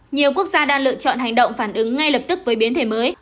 nhiều quốc gia đã lựa chọn hành động phản ứng ngay lập tức với biến thể mới